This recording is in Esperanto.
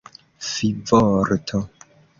fivorto